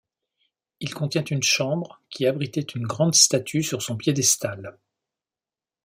Il contient une chambre qui abritait une grande statue sur son piédestal.